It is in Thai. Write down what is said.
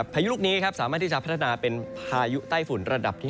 พายุลูกนี้ครับสามารถที่จะพัฒนาเป็นพายุไต้ฝุ่นระดับที่๕